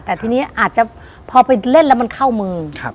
แต่ทีนี้อาจจะพอไปเล่นแล้วมันเข้ามือ